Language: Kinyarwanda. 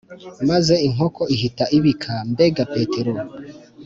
maze inkoko ihita ibika mbega petero,